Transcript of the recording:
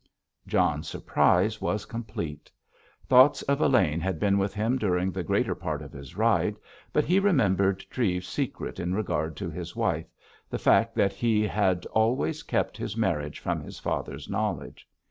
John's surprise was complete. Thoughts of Elaine had been with him during the greater part of his ride, but he remembered Treves's secret in regard to his wife, the fact that he had always kept his marriage from his father's knowledge.